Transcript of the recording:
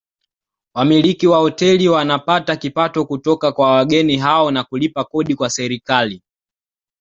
Wamiliki wa hoteli wanapata kipato kutoka kwa wageni hao na kulipa kodi kwa serikali